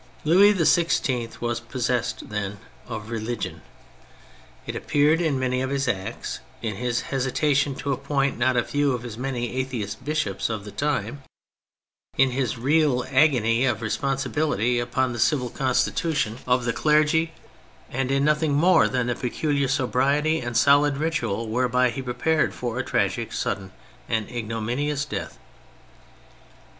Louis XVI was possessed, then, of religion : it appeared in many of his acts, in his hesita tion to appoint not a few of the many atheist bishops of the time, in his real agony of responsibility upon the Civil Constitution of THE CHARACTERS 41 the clergy, and in nothing more than the pecuHar sobriety and soHd ritual whereby he prepared for a tragic, sudden, and igno minious death.